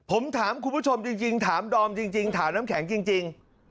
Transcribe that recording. ผมถามคุณผู้ชมจริงถามดอมจริงถามน้ำแข็งจริง